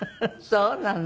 そうなの？